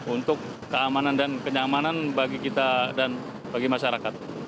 untuk keamanan dan kenyamanan bagi kita dan bagi masyarakat